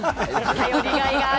頼りがいある。